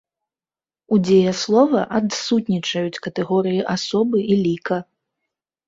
У дзеяслова адсутнічаюць катэгорыі асобы і ліка.